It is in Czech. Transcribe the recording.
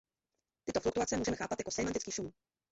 Tyto fluktuace můžeme chápat jako sémantický šum.